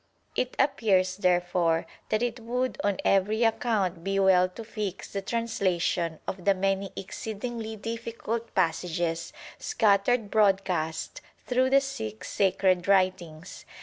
It appears, therefore, that it would on every account be well to fix the translation of the many exceedingly difficult passages scattered broad cast through the Sikh sacred writings.